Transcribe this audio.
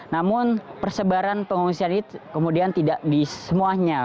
namun persebaran pengungsian ini kemudian tidak di semuanya